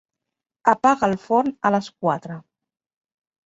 Apaga el forn a les quatre.